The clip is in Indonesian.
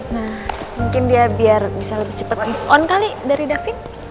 nah mungkin dia biar bisa lebih cepet on kali dari davin